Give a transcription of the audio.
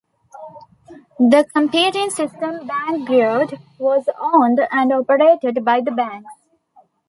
The competing system Bankgirot was owned and operated by the banks.